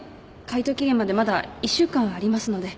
回答期限までまだ１週間ありますので。